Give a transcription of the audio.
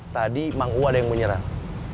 tadi mangu ada yang menyerang